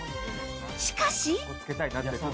しかし